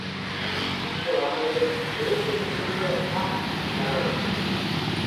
Чылан ойленыт: эн чотшо тушто Антс карен.